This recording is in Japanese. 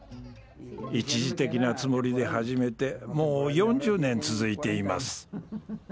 一時的なつもりで始めてもう４０年続いています。